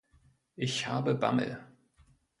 Ich habe Bammel.